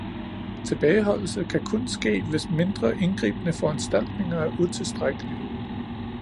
Tilbageholdelse kan kun ske, hvis mindre indgribende foranstaltninger er utilstrækkelige